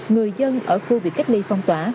người dân ở khu vị cách ly phong tỏa